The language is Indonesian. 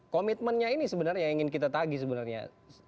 komitmennya ini sebenarnya yang ingin kita tagih sebenarnya